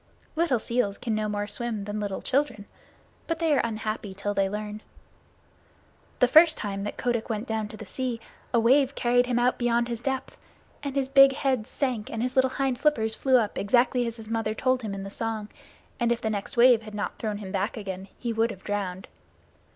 Little seals can no more swim than little children, but they are unhappy till they learn. The first time that Kotick went down to the sea a wave carried him out beyond his depth, and his big head sank and his little hind flippers flew up exactly as his mother had told him in the song, and if the next wave had not thrown him back again he would have drowned.